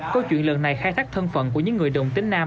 câu chuyện lần này khai thác thân phận của những người đồng tính nam